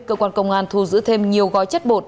cơ quan công an thu giữ thêm nhiều gói chất bột